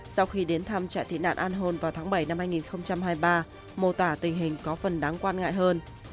sau khi đến thăm trại tị nạn an hôn vào tháng bảy năm hai nghìn hai mươi ba mô tả tình hình có phần đáng quan ngại hơn